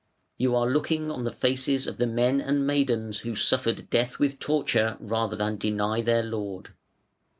You are looking on the faces of the men and maidens who suffered death with torture rather than deny their Lord.